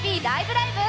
ライブ！」